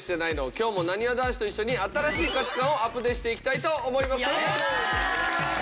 今日もなにわ男子と一緒に新しい価値観をアプデしていきたいと思います。